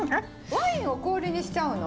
ワインを氷にしちゃうの？